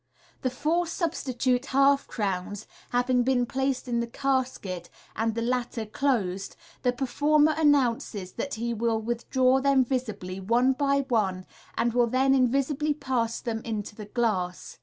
The four substitute half crowns having been placed in the casket, and the latter closed, the performer announces that he will withdraw them visibly, one by one, and will then invisibly pass them into the glass.